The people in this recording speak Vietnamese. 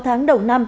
sáu tháng đầu năm